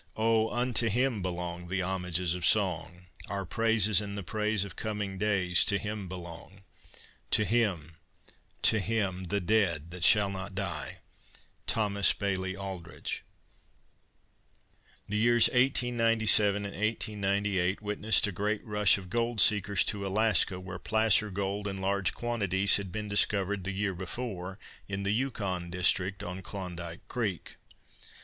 Oh, unto him belong The homages of Song; Our praises and the praise Of coming days To him belong To him, to him, the dead that shall not die! THOMAS BAILEY ALDRICH. The years 1897 and 1898 witnessed a great rush of gold seekers to Alaska, where placer gold in large quantities had been discovered, the year before, in the Yukon district on Klondike Creek.